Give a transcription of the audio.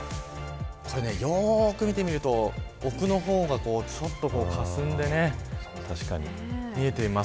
よく見てみると奥の方がちょっと霞んで見えています。